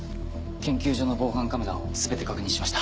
研究所の防犯カメラをすべて確認しました。